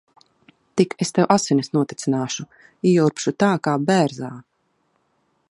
Tik es tev asinis notecināšu. Ieurbšu tā kā bērzā.